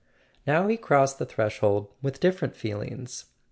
Now he crossed the threshold with different feelings.